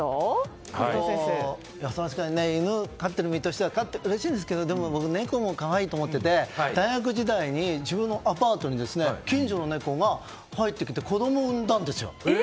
確かに犬を飼っている身としてはうれしいですけどでも僕、猫も可愛いと思っていて大学時代に自分のアパートに近所の猫が入ってきて子供を産んだんですよ。